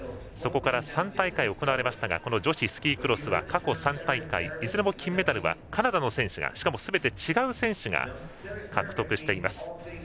そこから３大会行われましたが女子スキークロスは過去３大会、いずれも金メダルはカナダの選手がしかもすべて違う選手が獲得しています。